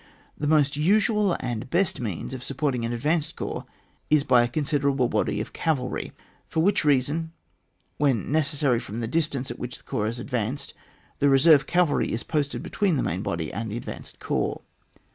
The most usual and best means of supporting an advanced corps is by a considerable body of cavalry, for which reason, when necessary from the distance at which the corps is advanced, the reserve cavalry is posted between the main body and the advanced corps.